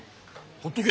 ほっとけ！